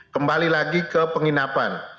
kembali lagi ke penginapan